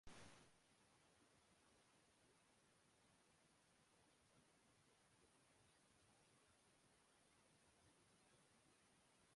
বালক বয়সেই তিনি সুন্দর এবং সৎ স্বভাবের অধিকারী ছিলেন, যা তাঁর সমৃদ্ধ ও উন্নত জীবন গঠনে সহায়ক ভূমিকা রেখেছিল।